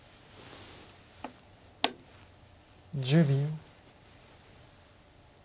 １０秒。